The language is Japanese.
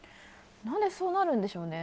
何でそうなるんでしょうね。